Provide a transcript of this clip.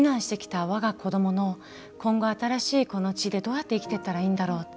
我が子どもの今後新しいこの地でどうやって生きていったらいいんだろう。